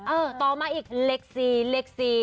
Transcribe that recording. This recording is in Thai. ต่อมาอีกเลข๔เลข๔